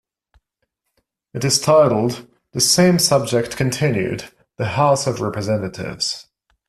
It is titled, The Same Subject Continued: The House of Representatives.